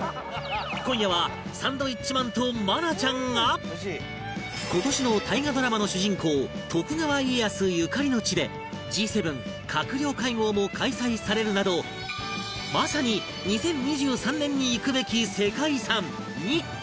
今夜は今年の大河ドラマの主人公徳川家康ゆかりの地で Ｇ７ 閣僚会合も開催されるなどまさに２０２３年に行くべき世界遺産日光へ